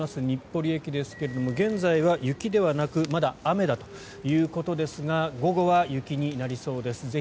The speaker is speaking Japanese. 日暮里駅ですが現在は雪ではなくまだ雨だということですが午後は雪になりそうです。